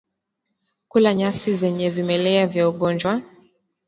Kula nyasi zenye vimelea vya ugonjwa